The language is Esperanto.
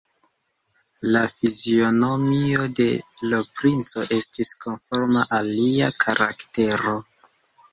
La fizionomio de l' princo estis konforma al lia karaktero.